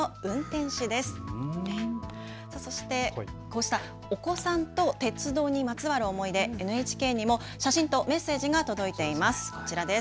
こうしたお子さんと鉄道にまつわる思い出、ＮＨＫにも写真とメッセージが届いています。